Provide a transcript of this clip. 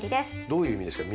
どういう意味ですか？